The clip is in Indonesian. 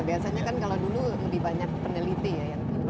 biasanya kan kalau dulu lebih banyak peneliti ya